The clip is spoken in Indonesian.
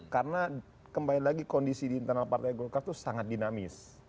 karena kembali lagi kondisi di internal partai golkar itu sangat dinamis